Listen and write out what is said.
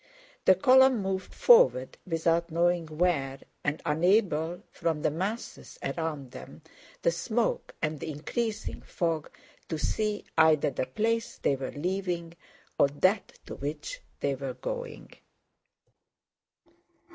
The column moved forward without knowing where and unable, from the masses around them, the smoke and the increasing fog, to see either the place they were leaving or that to which they were going.